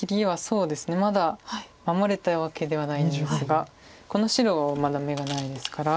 まだ守れたわけではないんですがこの白まだ眼がないですから。